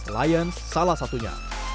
lions salah satunya